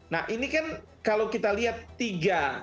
nah ini kan kalau kita lihat tiga